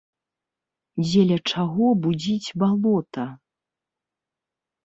Дзеля чаго будзіць балота?